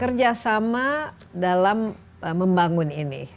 kerjasama dalam membangun ini